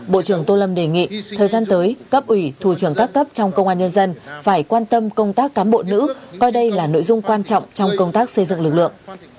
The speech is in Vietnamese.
bộ trưởng tô lâm đề nghị thời gian tới cấp ủy thủ trưởng các cấp trong công an nhân dân phải quan tâm công tác cán bộ nữ coi đây là nội dung quan trọng trong công tác xây dựng lực lượng